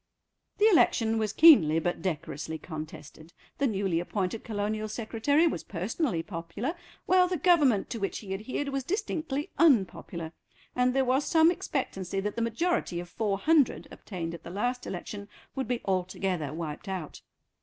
The election was keenly but decorously contested. The newly appointed Colonial Secretary was personally popular, while the Government to which he adhered was distinctly unpopular, and there was some expectancy that the majority of four hundred, obtained at the last election, would be altogether wiped out.